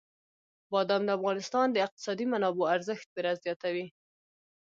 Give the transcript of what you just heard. بادام د افغانستان د اقتصادي منابعو ارزښت پوره زیاتوي.